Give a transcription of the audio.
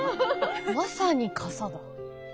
まさに笠だ。